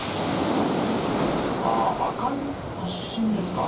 ちょっと赤い発疹ですか？